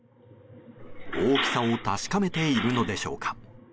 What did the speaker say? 大きさを確かめているのでしょうか？